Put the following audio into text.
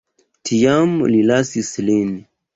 Tiam li lasis lin.